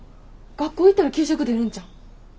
学校行ったら給食出るんちゃう？